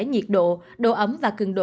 nhiệt độ độ ấm và cường độ